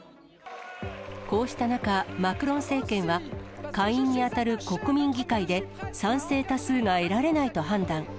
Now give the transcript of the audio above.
こうした中、マクロン政権は、下院に当たる国民議会で、賛成多数が得られないと判断。